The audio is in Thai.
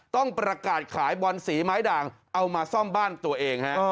ต้องประกาศขายบอลสีไม้ด่างเอามาซ่อมบ้านตัวเองฮะ